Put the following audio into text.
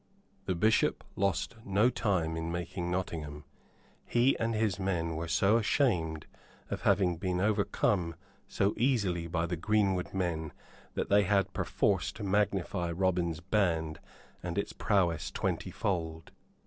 The Bishop lost no time in making Nottingham. He and his men were so ashamed of having been overcome so easily by the greenwood men that they had perforce to magnify Robin's band and its prowess twenty fold.